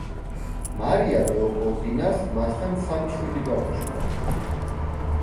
მარია ლეოპოლდინას მასთან სამი შვილი გაუჩნდა.